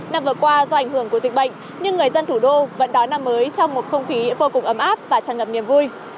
năm vừa qua do ảnh hưởng của dịch bệnh nhưng người dân thủ đô vẫn đón năm mới trong một không khí vô cùng ấm áp và tràn ngập niềm vui